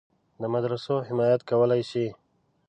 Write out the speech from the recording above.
د مدرسو حمایت کولای شي.